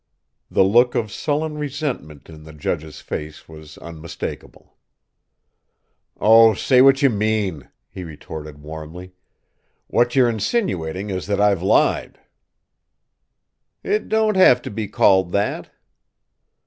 The look of sullen resentment in the judge's face was unmistakable. "Oh, say what you mean!" he retorted warmly. "What you're insinuating is that I've lied!" "It don't have to be called that."